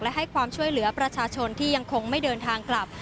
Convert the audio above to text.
และให้ความช่วยเหลือประชาชนที่ยังคงไม่เดินทางกลับ